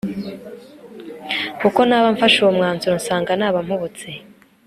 uko naba mfashe uwo mwanzuro nsanga naba mpubutse